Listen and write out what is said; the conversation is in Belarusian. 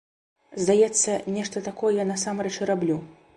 Здаецца, нешта такое я насамрэч і раблю.